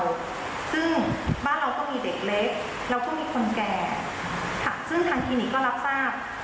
ซึ่งบ้านเราก็มีเด็กเล็กแล้วก็มีคนแก่ซึ่งทางคลินิกก็รับทราบ